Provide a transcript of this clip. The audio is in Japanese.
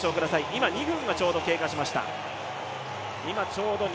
今２分がちょうど経過しました。